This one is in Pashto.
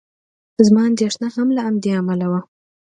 زما اندېښنه هم له همدې امله وه.